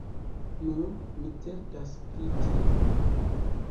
Nun mi certas pri tio.